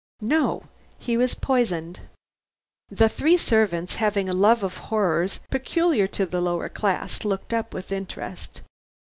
"No. He was poisoned!" The three servants, having the love of horrors peculiar to the lower classes, looked up with interest.